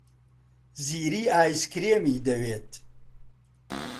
زیری ئایسکرێمی دەوێت.